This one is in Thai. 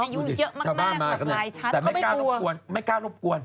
มันอยู่เยอะมากแบบลายชัดชาวบ้านมากเลยเนี่ยแต่ไม่กล้านบกวน